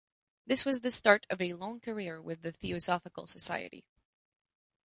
This was the start of a long career with the Theosophical Society.